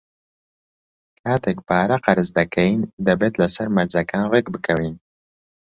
کاتێک پارە قەرز دەکەین، دەبێت لەسەر مەرجەکان ڕێکبکەوین.